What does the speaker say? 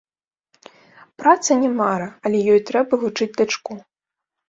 Праца не мара, але ёй трэба вучыць дачку.